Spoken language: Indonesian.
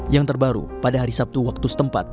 yang terbaru pada hari sabtu waktu setempat